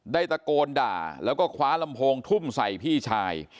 ตะโกนด่าแล้วก็คว้าลำโพงทุ่มใส่พี่ชาย